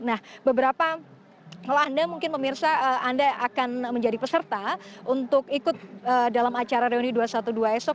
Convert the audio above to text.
nah beberapa kalau anda mungkin pemirsa anda akan menjadi peserta untuk ikut dalam acara reuni dua ratus dua belas esok